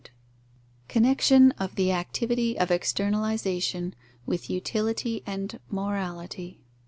_Connexion of the activity of externalization with utility and morality.